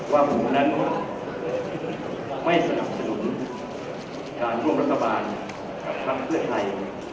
ว่าผมนั้นไม่สนับสนุนการร่วมรัฐบาลกับพักเพื่อไทย